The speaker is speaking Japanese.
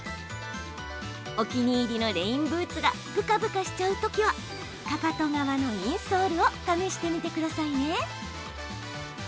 お気に入りのレインブーツがぶかぶかしちゃうときはかかと側のインソールを試してみてくださいね。